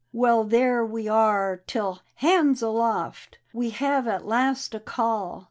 "Well, there we are till ' hands aloft,' We have at last a call.